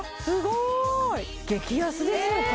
すごい激安ですよ？